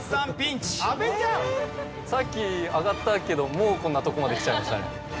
さっき上がったけどもうこんなとこまで来ちゃいましたね。